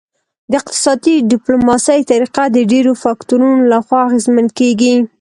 د اقتصادي ډیپلوماسي طریقه د ډیرو فکتورونو لخوا اغیزمن کیږي